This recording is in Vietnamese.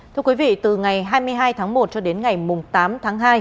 thưa quý vị từ ngày hai mươi hai tháng một cho đến ngày tám tháng hai